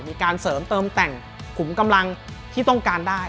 มีการเสริมเติมแต่งขุมกำลังที่ต้องการได้